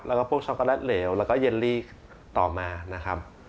แล้วก็พวกช็อกโกแลตเหลวแล้วก็เยลลี่ต่อมานะครับ